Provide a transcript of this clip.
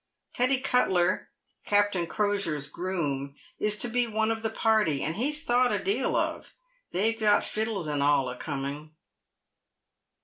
Teddy Cuttler, Captain Crosier's groom, is to be one of the party, and he's thought a deal of. They've got fiddles and all a coming."